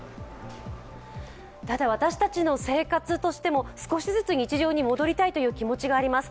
ただ私たちの生活としても少しずつ日常に戻りたいという気持ちがあります。